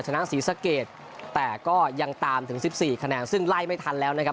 ชนะศรีสะเกดแต่ก็ยังตามถึง๑๔คะแนนซึ่งไล่ไม่ทันแล้วนะครับ